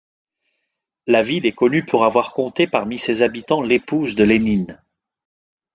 La ville est connue pour avoir compté parmi ses habitants l'épouse de Lénine.